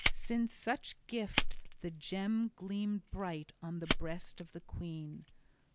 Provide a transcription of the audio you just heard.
Since such gift the gem gleamed bright on the breast of the queen.